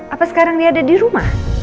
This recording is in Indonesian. apa sekarang dia ada di rumah